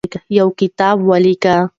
یو کتاب ولیکئ.